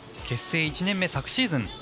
結成１年目昨シーズン